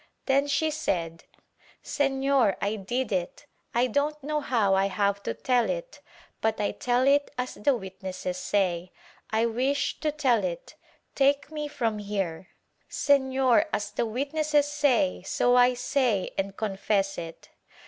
Then she said "Sefior, I did it, I don't know how T have to tell it, but I tell it as the witnesses say — I wish to tell it — take me from here — Sefior as the wit 26 TORTURE [Book VI nesses say, so I say and confess it."